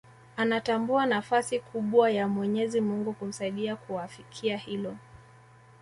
Anatambua nafasi kubwa ya mwenyezi Mungu kumsaidia kuafikia hilo